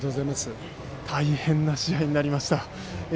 大変な試合になりました。